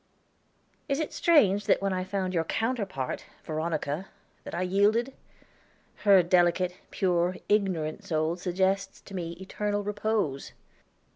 Is it strange that when I found your counterpart, Veronica, that I yielded? Her delicate, pure, ignorant soul suggests to me eternal repose."